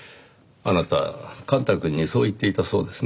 あなた幹太くんにそう言っていたそうですね。